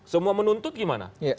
semua menuntut gimana